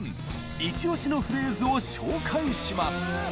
イチおしのフレーズを紹介します！